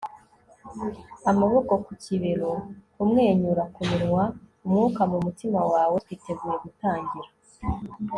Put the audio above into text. amaboko ku kibero, kumwenyura ku minwa, umwuka mu mutima wawe, twiteguye gutangira